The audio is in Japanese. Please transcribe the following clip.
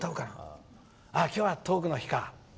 今日はトークの日かって。